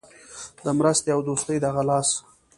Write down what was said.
د مرستې او دوستۍ دغه لاس.